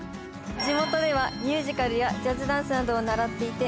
「地元ではミュージカルやジャズダンスなどを習っていて」